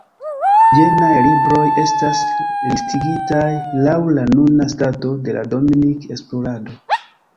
Jenaj libroj estas listigitaj lau la nuna stato de la Dominik-esplorado.